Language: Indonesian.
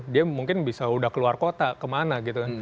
dia mungkin bisa sudah keluar kota kemana gitu